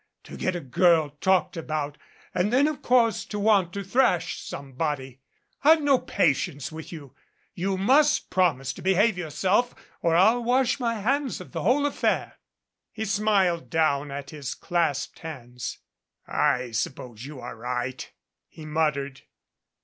To get a girl talked about and then of course to want to thrash somebody! I've no pa tience with you. You must promise to behave yourself or I'll wash my hands of the whole affair." He smiled down at his clasped hands. "I suppose you are right," he muttered.